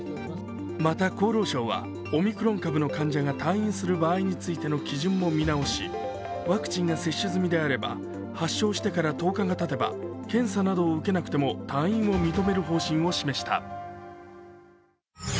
また厚労省はオミクロン株の患者が退院する場合についての基準も見直しワクチンが接種済みであれば発症してから１０日がたてば検査などを受けなくても退院を認める方針を示した。